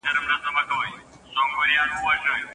که روبوټونه روزنه ترلاسه نه کړي، تېروتنې کوي.